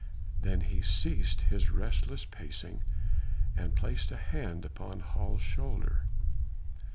Then he ceased his restless pacing and placed a hand upon Hals' shoulder.